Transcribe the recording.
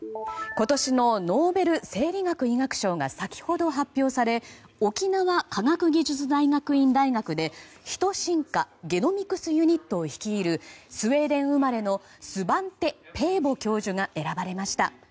今年のノーベル生理学・医学賞が先ほど発表され沖縄科学技術大学院大学でヒト進化ゲノミクスユニットを率いるスウェーデン生まれのスバンテ・ペーボ教授が選ばれました。